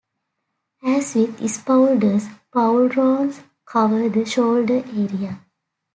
As with spaulders, pauldrons cover the shoulder area.